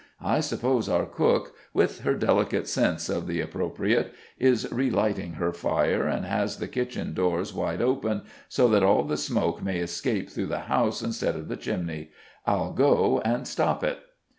I suppose our cook, with her delicate sense of the appropriate, is relighting her fire, and has the kitchen doors wide open, so that all the smoke may escape through the house instead of the chimney. I'll go and stop it."